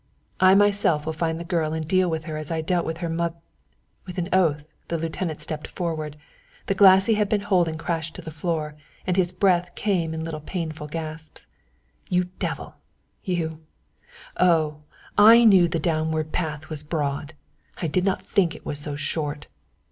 I myself will find the girl and deal with her as I dealt with her moth " With an oath the lieutenant started forward; the glass he had been holding crashed to the floor, and his breath came in little painful gasps. "You devil you Oh, I knew the downward path was broad, I did not think it was so short.